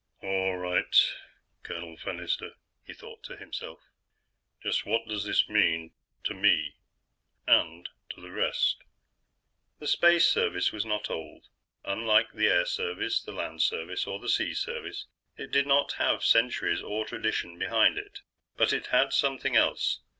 All right, Colonel Fennister, he thought to himself, just what does this mean to me? And to the rest? The Space Service was not old. Unlike the Air Service, the Land Service, or the Sea Service, it did not have centuries or tradition behind it. But it had something else.